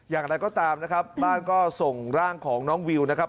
อย่างไรก็ตามนะครับบ้านก็ส่งร่างของน้องวิวนะครับ